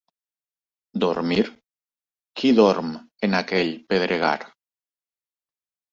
Dormir? Qui dorm en aquell pedregar